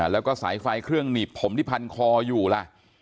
แล้วก็สายไฟเครื่องหนีบผมที่พันคออยู่ล่ะ